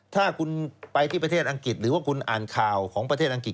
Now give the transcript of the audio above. ถ้าคุณไปที่ประเทศอังกฤษหรือว่าคุณอ่านข่าวของประเทศอังกฤษ